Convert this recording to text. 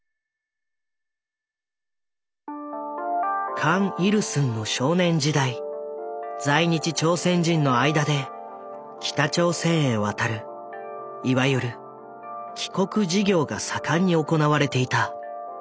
カン・イルスンの少年時代在日朝鮮人の間で北朝鮮へ渡るいわゆる「帰国事業」が盛んに行われていた。